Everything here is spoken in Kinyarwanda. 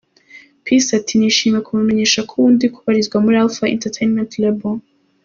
Peace ati “ Nishimiye kubamenyesha ko ubu ndi kubarizwa muri Alpha entertainment label.